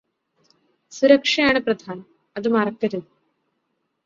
സുരക്ഷയാണ് പ്രധാനം അത് മറക്കരുത്